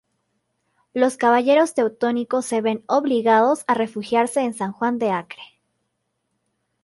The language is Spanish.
Los caballeros teutónicos se ven obligados a refugiarse en San Juan de Acre.